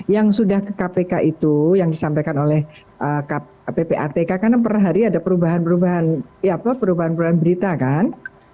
yang sudah ke kpk itu yang disampaikan oleh ppatk karena per hari ada perubahan perubahan berita kan